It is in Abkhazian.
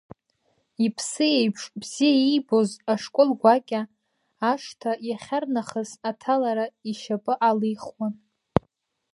Иԥсы еиԥш бзиа иибоз ашкол гәакьа ашҭа иахьарнахыс аҭалара ишьапы алихуан.